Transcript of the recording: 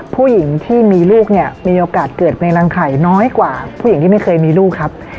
ผู้หญิงที่มีลูกเนี่ยมีโอกาสเกิดในรังไข่น้อยกว่าผู้หญิงที่ไม่เคยมีลูกครับ